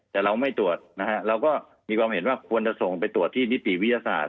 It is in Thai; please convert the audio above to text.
แต่เราไม่ตรวจนะฮะเราก็มีความเห็นว่าควรจะส่งไปตรวจที่นิติวิทยาศาสตร์